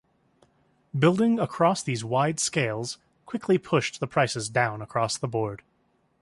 Building across these wide scales quickly pushed the prices down across the board.